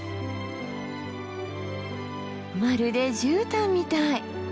まるでじゅうたんみたい。